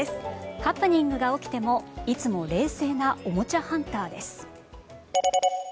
ハプニングが起きてもいつも冷静なおもちゃハンターです。